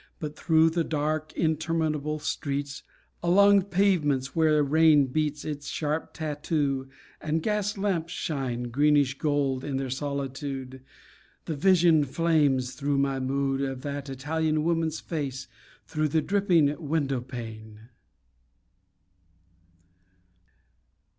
But through the dark interminable streets, Along pavements where rain beats Its sharp tattoo, and gas lamps shine, Greenish gold in the solitude, The vision flames through my mood Of that Italian woman's face, Through the dripping window pane.